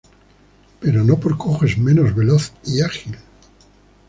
Pero no por cojo es menos veloz y ágil.